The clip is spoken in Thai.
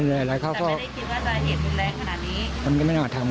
แต่ต่างคนก็ต่างอยู่คนละที่ไปประมาณ